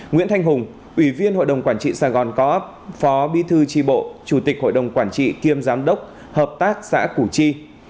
nguyễn thanh hùng ủy viên hội đồng quản trị sài gòn có phó bi thư tri bộ chủ tịch hội đồng quản trị kiêm giám đốc hợp tác xã củ chi